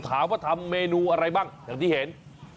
ถามว่าทำเมนูอะไรบ้างอย่างที่เห็น